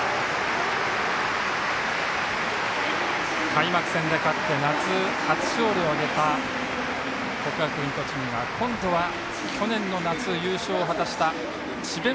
開幕戦で勝って夏初勝利を挙げた国学院栃木が今度は、去年の夏優勝を果たした智弁